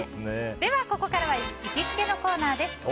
ではここからは行きつけのコーナーです。